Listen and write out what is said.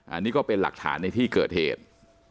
อันนี้ก็เป็นหลักฐานในที่เกิดเหตุ